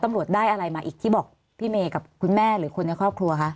ตำรวจได้อะไรมาอีกที่บอกพี่เมย์กับคุณแม่หรือคนในครอบครัวคะ